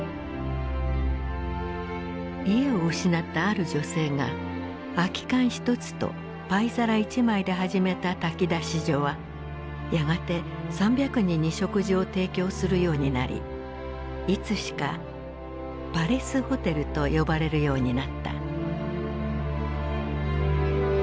家を失ったある女性が空き缶１つとパイ皿１枚で始めた炊き出し所はやがて３００人に食事を提供するようになりいつしかパレスホテルと呼ばれるようになった。